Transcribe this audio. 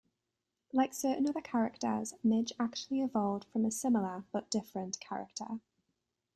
Like certain other characters, Midge actually evolved from a similar but different character.